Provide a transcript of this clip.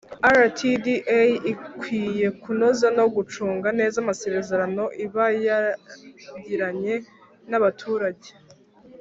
Rtda ikwiye kunoza no gucunga neza amasezerano iba yagiranye na baturage